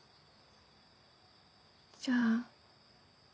じゃあ。